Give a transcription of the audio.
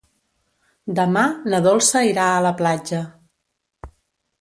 Demà na Dolça irà a la platja.